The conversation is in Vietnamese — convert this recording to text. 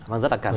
nó rất là cần